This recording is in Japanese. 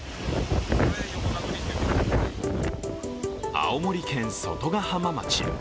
青森県外ヶ浜町。